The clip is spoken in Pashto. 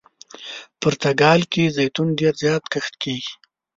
پرتګال کې زیتون ډېر زیات کښت کیږي.